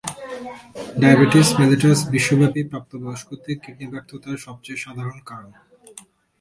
Diabetes mellitus বিশ্বব্যাপী প্রাপ্তবয়স্কদের kidney ব্যর্থতার সবচেয়ে সাধারণ কারণ।